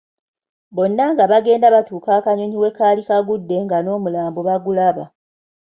Bonna nga bagenda batuuka akanyonyi wekaali kagudde nga n’omulambo bagulaba.